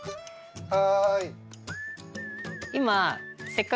はい。